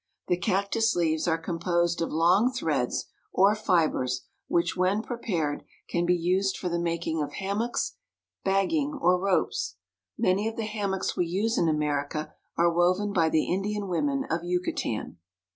The cactus leaves are composed of long threads, or fibers, which, when prepared, can be used for the making of hammocks, bagging, or ropes. Many of the hammocks we use in America are woven by the Indian women of Yucatan.